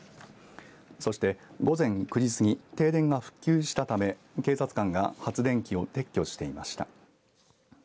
そして、午前９時過ぎ停電が復旧したため警察官が発電機を撤去していました。